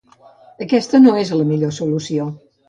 Aquesta no és la millor solució.